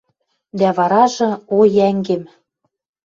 Дӓ варажы... О йӓнгем!..